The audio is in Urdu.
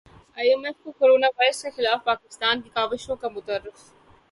ائی ایم ایف کورونا وائرس کے خلاف پاکستان کی کاوشوں کا معترف